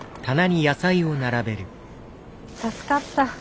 助かった。